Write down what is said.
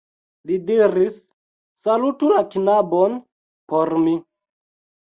Li diris: "Salutu la knabon por mi.